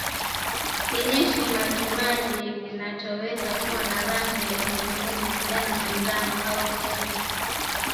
Kinyesi majimaji kinachoweza kuwa na rangi ya hudhurungi kijani manjano au kijivu